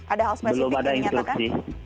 ada hal spesifik yang menyatakan